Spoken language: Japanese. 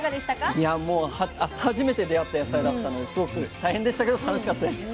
初めて出会った野菜だったのですごく大変でしたけど楽しかったです。